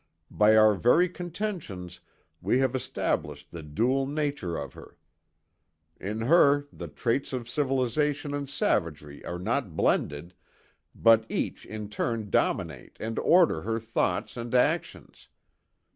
By our very contentions we have established the dual nature of her. In her the traits of civilization and savagery are not blended, but each in turn dominate and order her thoughts and actions.